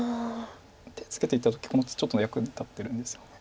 手つけていった時この手ちょっと役に立ってるんですよね。